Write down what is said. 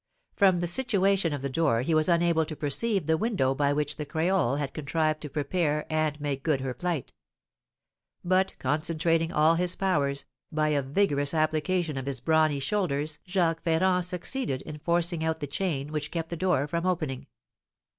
From the situation of the door he was unable to perceive the window by which the creole had contrived to prepare and make good her flight; but concentrating all his powers, by a vigorous application of his brawny shoulders Jacques Ferrand succeeded in forcing out the chain which kept the door from opening.